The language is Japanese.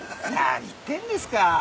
何言ってんですか。